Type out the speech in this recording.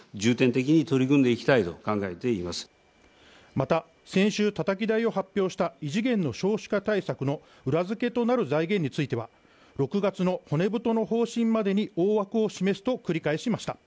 また、先週たたき台を発表した異次元の少子化対策の裏付けとなる財源については、６月の骨太の方針までに大枠を示すと繰り返しました。